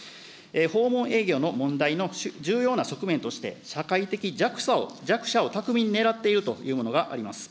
訪問営業の問題の重要な側面として、社会的弱者を巧みに狙っているというものがあります。